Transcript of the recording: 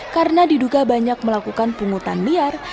karena diduga banyak melakukan penghutan liar